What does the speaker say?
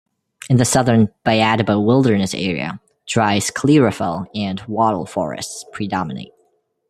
In the southern Byadbo wilderness area, dry sclerophyll and wattle forests predominate.